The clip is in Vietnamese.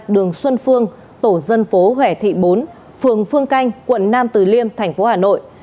một nghìn một trăm hai mươi ba đường xuân phương tổ dân phố huệ thị bốn phường phương canh quận nam từ liêm thành phố hà nội